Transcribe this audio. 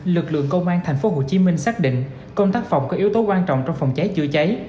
lực lượng công an tp hcm xác định công tác phòng có yếu tố quan trọng trong phòng cháy chữa cháy